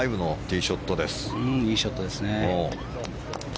いいショットですね。